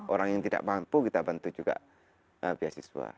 orang yang tidak mampu kita bantu juga beasiswa